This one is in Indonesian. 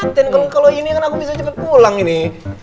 paten kalau ini kan aku bisa cepet pulang ini